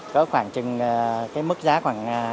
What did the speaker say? có khoảng chừng cái mức giá khoảng năm trăm linh